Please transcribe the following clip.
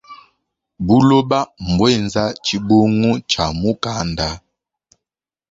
Buloba mbuenza tshibungu tshia mukanda.